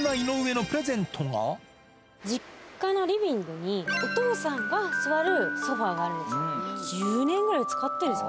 実家のリビングに、お父さんが座るソファがあるんです。